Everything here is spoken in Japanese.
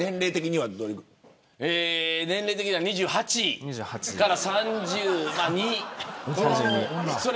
年齢的には２８から３２。